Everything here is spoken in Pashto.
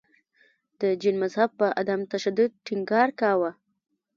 د جین مذهب په عدم تشدد ټینګار کاوه.